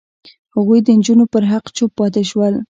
هغوی د نجونو پر حق چوپ پاتې شول.